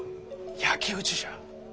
焼き討ちじゃ。